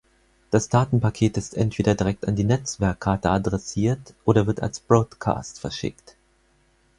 Das Datenpaket ist entweder direkt an die Netzwerkkarte adressiert oder wird als Broadcast verschickt.